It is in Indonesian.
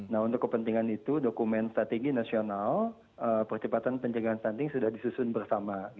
nah untuk kepentingan itu dokumen strategi nasional percepatan pencegahan stunting sudah disusun bersama